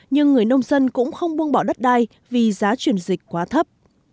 nhưng người nông dân cũng không buông bỏ đất đai vì giá chuyển dịch quá thấp